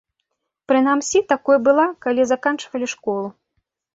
Прынамсі такой была, калі заканчвалі школу.